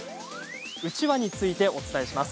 うちわについてお伝えします。